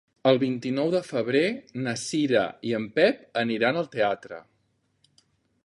El vint-i-nou de febrer na Cira i en Pep aniran al teatre.